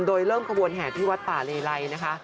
โดยเริ่มขบวนแห่ที่วัดป่าเลไลนะคะ